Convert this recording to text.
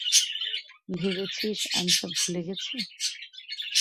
ভেবেছিস আমি সব ভুলে গেছি?